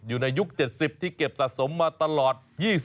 อยู่ในยุค๗๐ที่เก็บสะสมมาตลอด